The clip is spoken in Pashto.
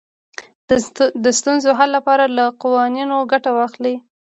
د ستونزو حل لپاره له قوانینو ګټه واخلئ.